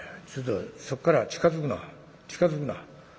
ちょっとそこから近づくな近づくな」。